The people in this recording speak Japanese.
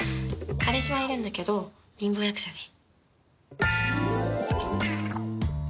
彼氏はいるんだけど貧乏役者で。